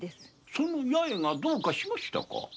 その八重がどうかしましたか？